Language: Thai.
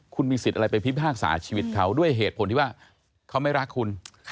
คุณมีสิทธิ์อะไรไปพิพากษาชีวิตเขาด้วยเหตุผลที่ว่าเขาไม่รักคุณ